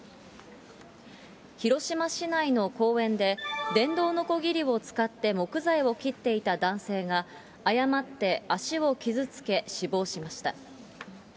広島市内の公園で、電動のこぎりを使って木材を切っていた男性が誤って足を傷つけ、死亡しました。